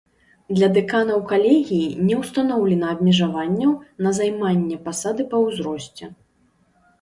Для дэканаў калегіі не ўстаноўлена абмежаванняў на займанне пасады па ўзросце.